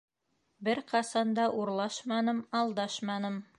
Бер ҡасан да урлашманым, алдашманым.